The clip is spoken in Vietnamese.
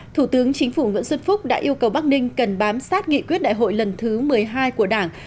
thủ tướng chính phủ nguyễn xuân phúc đã yêu cầu bắc ninh cần bám sát nghị quyết đại hội lần thứ một mươi hai của đảng